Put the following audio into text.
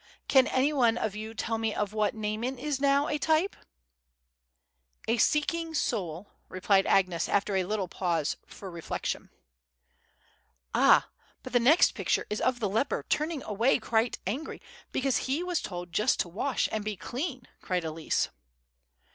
Can any one of you tell me of what Naaman now is a type?" "A seeking soul," replied Agnes, after a little pause for reflection. "Ah! but the next picture is of the leper turning away quite angry because he was told just to wash and be clean," cried Elsie.